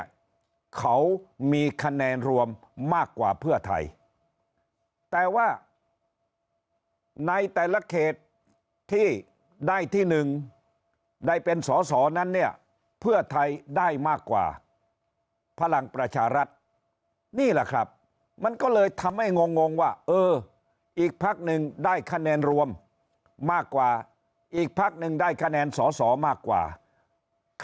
คะแนนรวมจากภักดิ์ก็คือว่าภักดิ์พลังประชารัฐเนี่ยเขามีคะแนนรวมมากกว่าเพื่อไทยแต่ว่าในแต่ละเขตที่ได้ที่หนึ่งได้เป็นสอนั้นเนี่ยเพื่อไทยได้มากกว่าภักดิ์ประชารัฐเนี่ยเขามีคะแนนรวมมากกว่าภักดิ์ประชารัฐเนี่ยเขามีคะแนนรวมมากกว่าภักดิ์ประชารัฐเนี่ยเขามีคะแนนรวมมากกว่าภ